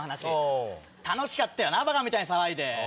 楽しかったよなバカみたいに騒いで。